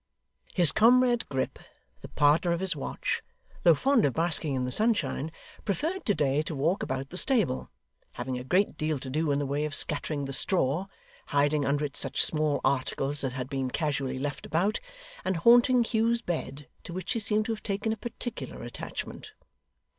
His comrade Grip, the partner of his watch, though fond of basking in the sunshine, preferred to day to walk about the stable; having a great deal to do in the way of scattering the straw, hiding under it such small articles as had been casually left about, and haunting Hugh's bed, to which he seemed to have taken a particular attachment.